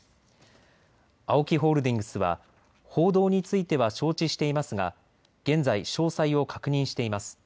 ＡＯＫＩホールディングスは報道については承知していますが現在、詳細を確認しています。